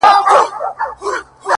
• زما دردونه د دردونو ښوونځی غواړي ـ